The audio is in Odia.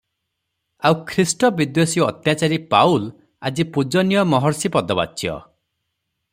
ଆଉ ଖ୍ରୀଷ୍ଟ ବିଦ୍ୱେଷୀ ଅତ୍ୟାଚାରୀ ପାଉଲ୍ ଆଜି ପୂଜନୀୟ ମହର୍ଷୀ ପଦବାଚ୍ୟ ।